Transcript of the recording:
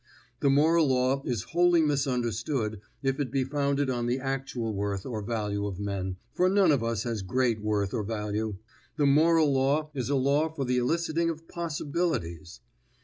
The moral law is wholly misunderstood if it be founded on the actual worth or value of men, for none of us has great worth or value. The moral law is a law for the eliciting of possibilities.